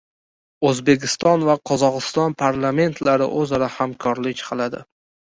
O‘zbekiston va Qozog‘iston parlamentlari o‘zaro hamkorlik qiladi